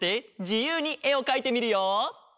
じゆうにえをかいてみるよ。